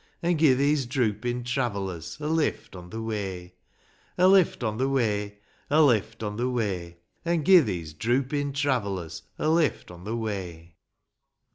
An' gi' these droopin' travellers a lift on the way : A lift on the way ; A lift on the way ; An' gi' these droopin' travellers a lift on the way.